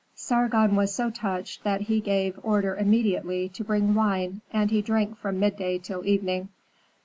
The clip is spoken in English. Sargon was so touched that he gave order immediately to bring wine, and he drank from midday till evening.